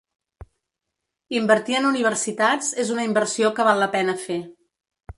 “Invertir en universitats és una inversió que val la pena fer”